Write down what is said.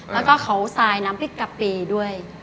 แล้วก็เขาทรายน้ำพริกกะปิด้วย